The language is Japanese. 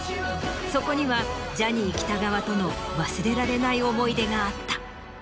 そこにはジャニー喜多川との忘れられない思い出があった。